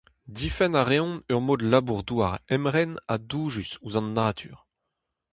Difenn a reont ur mod labour-douar emren ha doujus ouzh an natur.